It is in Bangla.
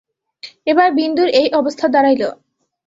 এবার বিন্দুর এই অবস্থা দাড়াইল।